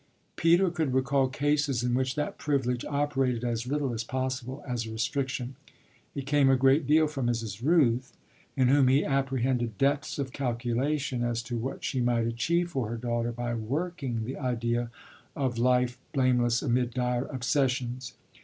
Peter could recall cases in which that privilege operated as little as possible as a restriction. It came a great deal from Mrs. Rooth, in whom he apprehended depths of calculation as to what she might achieve for her daughter by "working" the idea of a life blameless amid dire obsessions.